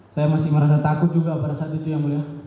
saya masih merasa takut juga pada saat itu yang mulia